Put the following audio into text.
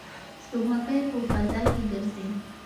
سپوږمکۍ په فضا کې ګرځي.